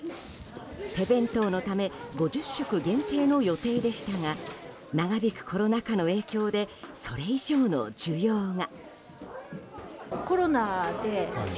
手弁当のため５０食限定の予定でしたが長引くコロナ禍の影響でそれ以上の需要が。